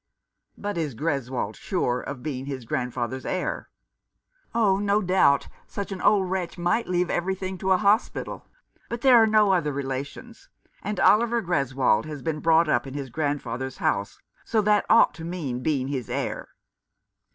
" But is Greswold sure of being his grandfather's heir ?" "Oh, no doubt such an old wretch might leave everything to a hospital ; but there are no other relations ; and Oliver Greswold has been brought 244 The Boyhood of Oliver Greswold. up in his grandfather's house, so that ought to mean being his heir."